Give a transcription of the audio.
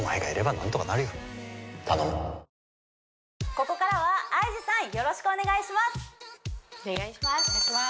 ここからはＩＧさんよろしくお願いしますお願いします